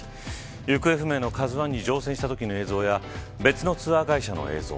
行方不明のＫＡＺＵ１に乗船したときの映像や別のツアー会社の映像。